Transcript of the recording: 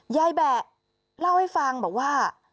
ยายแบะเล่าให้ฟังว่า